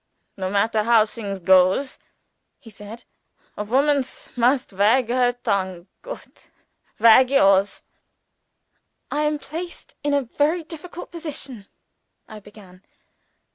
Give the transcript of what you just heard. "No matter how things goes," he said, "a womans must wag her tongue. Goot. Wag yours." "I am placed in a very difficult position," I began.